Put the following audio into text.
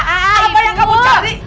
apa yang kamu cari